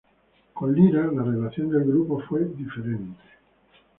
Con Lira la relación del grupo fue diferente.